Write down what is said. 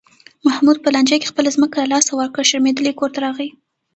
محمود په لانجه کې خپله ځمکه له لاسه ورکړه، شرمېدلی کورته راغی.